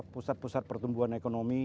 pusat pusat pertumbuhan ekonomi